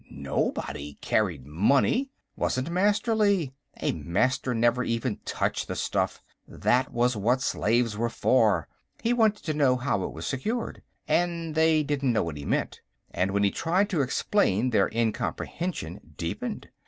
Nobody carried money; wasn't Masterly. A Master never even touched the stuff; that was what slaves were for. He wanted to know how it was secured, and they didn't know what he meant, and when he tried to explain their incomprehension deepened.